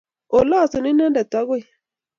Olosu Inendet agoi,